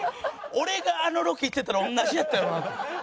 俺があのロケ行ってたら同じやったやろうなと。